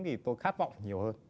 thì tôi khát vọng nhiều hơn